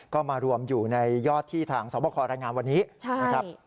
ก็มารวมอยู่ในยอดที่ทางสวบคอรายงานวันนี้นะครับ